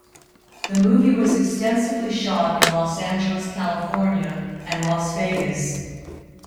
The movie was extensively shot in Los Angeles, California and Las Vegas.